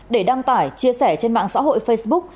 để đăng tải chia sẻ trên mạng xã hội facebook